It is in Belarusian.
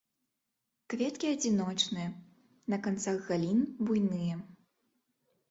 Кветкі адзіночныя, на канцах галін, буйныя.